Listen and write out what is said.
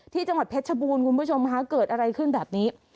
ที่จังหวัดเพชรชบูรณ์คุณผู้ชมค่ะเกิดอะไรขึ้นแบบนี้